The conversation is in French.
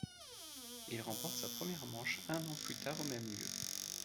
Il remporte sa première manche un an plus tard au même lieu.